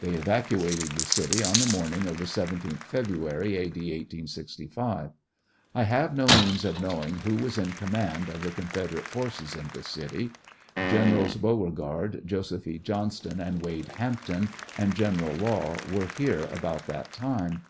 They evacuated the city on the morning of the 17th February, A. D. 1865. I have no means of knowing who was in command of the Con federate forces in the city. Generals Beauregard, Joseph E. Johnston, and Wade Hampton, and General Law were here about that time.